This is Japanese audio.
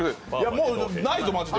もうないぞ、マジで。